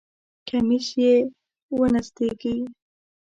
کمیس یې ونستېږی!